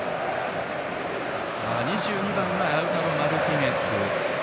２２番がラウタロ・マルティネス。